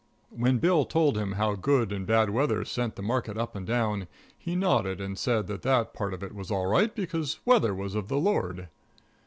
When Bill told him how good and bad weather sent the market up and down, he nodded and said that that part of it was all right, because the weather was of the Lord.